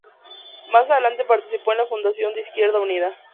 Más adelante participó en la fundación de Izquierda Unida.